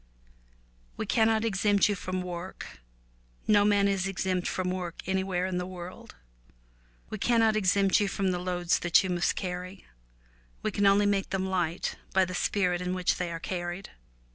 We cannot exempt you from work. No man is exempt from work anywhere in the world. We cannot exempt you from the loads that you must carry — we can only make them light by the spirit in which they are carried.